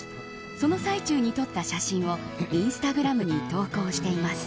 その最中に撮った写真をインスタグラムに投稿しています。